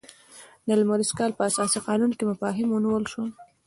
د لمریز کال په اساسي قانون کې مفاهیم ونیول شول.